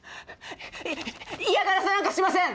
い嫌がらせなんかしません！